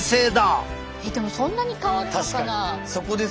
えっでもそんなに変わるのかな？